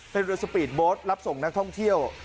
เป็นเรือสปีดโบสต์รับส่งนักท่องเที่ยว